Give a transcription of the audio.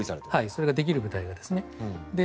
それができる部隊がですね。